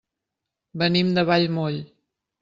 Venim de Vallmoll.